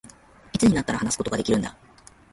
いつになったら、話すことができるんだ